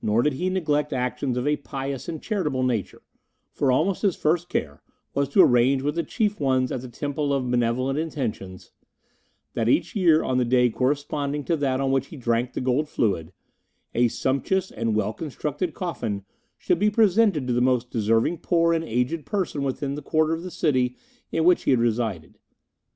Nor did he neglect actions of a pious and charitable nature, for almost his first care was to arrange with the chief ones at the Temple of Benevolent Intentions that each year, on the day corresponding to that on which he drank the gold fluid, a sumptuous and well constructed coffin should be presented to the most deserving poor and aged person within that quarter of the city in which he had resided.